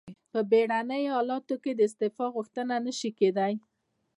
په بیړنیو حالاتو کې د استعفا غوښتنه نشي کیدای.